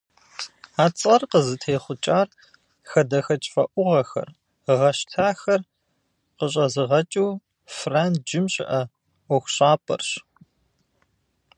А цӏэр къызытехъукӏар хадэхэкӏ фӏэӏугъэхэр, гъэщтахэр къыщӏэзыгъэкӏыу Франджым щыӏэ ӏуэхущӏапӏэрщ.